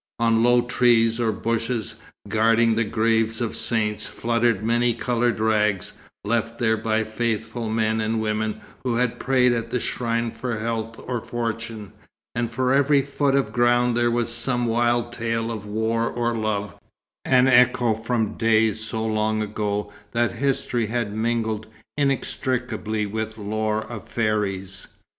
On low trees or bushes, guarding the graves of saints, fluttered many coloured rags, left there by faithful men and women who had prayed at the shrine for health or fortune; and for every foot of ground there was some wild tale of war or love, an echo from days so long ago that history had mingled inextricably with lore of fairies.